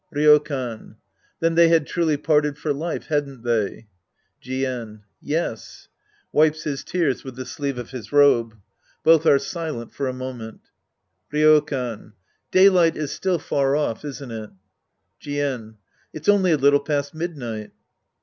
Ryokan. Then they had truly parted for life, had n't they? Jien. Yes. (Wipes his tears with the sleeve of his robe. Both are silent far a moment^ Ryokan. Daylight is still far off, isn't it ? Jien. It's only a little past midnight.